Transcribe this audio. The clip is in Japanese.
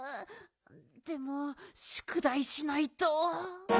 でもしゅくだいしないと。